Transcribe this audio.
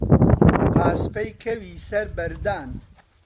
قاسپەی کەوی سەر بەردان